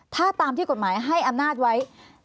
ถ้าตามที่กฎหมายให้อำนาจไว้